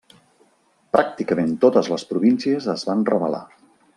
Pràcticament totes les províncies es van rebel·lar.